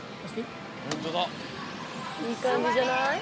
いいかんじじゃない？